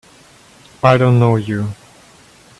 I don't know you!